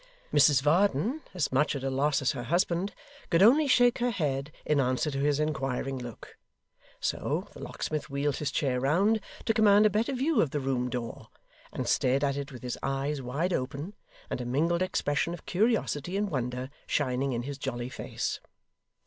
Mrs Varden, as much at a loss as her husband, could only shake her head in answer to his inquiring look: so, the locksmith wheeled his chair round to command a better view of the room door, and stared at it with his eyes wide open, and a mingled expression of curiosity and wonder shining in his jolly face.